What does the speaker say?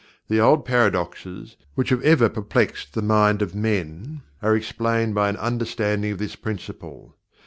The old paradoxes, which have ever perplexed the mind of men, are explained by an understanding of this Principle.